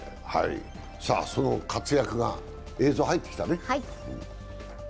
その活躍の映像が入ってきたね？